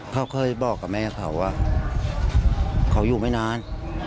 เขาเคยบอกกับแม่เขาว่าเขาอยู่ไม่นาน